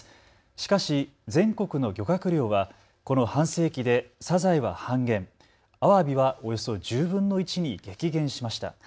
しかし全国の漁獲量はこの半世紀でサザエは半減、アワビはおよそ１０分の１に激減しました。